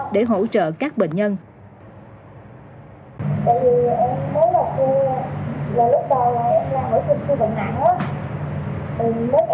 để hỗ trợ các bệnh nhân bệnh trị